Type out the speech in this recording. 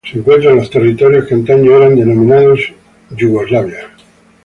Se encuentra en los territorios que antaño eran denominados como Yugoslavia.